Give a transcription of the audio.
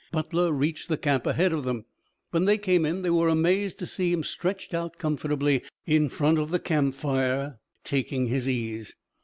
Butler reached the camp ahead of them. When they came in they were amazed to see him stretched out comfortably in front of the campfire, taking his ease.